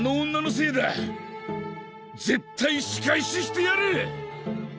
絶対仕返ししてやる！